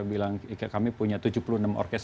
bilang kami punya tujuh puluh enam orkes